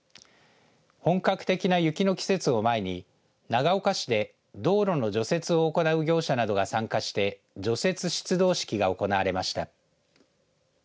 本格的な雪の季節を前に長岡市で道路の除雪を行う業者などが参加して除雪出動式が行われました。